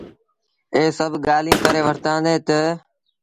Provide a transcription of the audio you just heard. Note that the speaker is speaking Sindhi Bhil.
اي سڀ ڳآليٚنٚ ڪري وٺتآندي تا